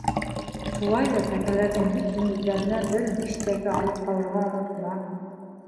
Шулай ҙа тәкәләрҙең бик һимеҙҙәренән бер биш тәкә алып ҡалырға онотма.